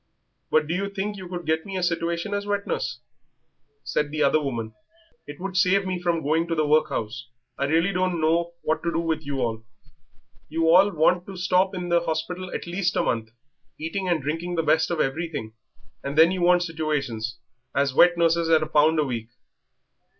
"But do you think you could get me a situation as wet nurse?" said the other woman; "it would save me from going to the workhouse." "I really don't know what to do with you all; you all want to stop in the hospital at least a month, eating and drinking the best of everything, and then you want situations as wet nurses at a pound a week."